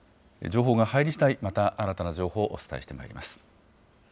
情報が入りしだい、また新たな情報をお伝えしてまいります。